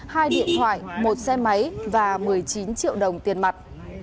hai điện thoại một xe máy và một mươi chín triệu đồng tiền mặt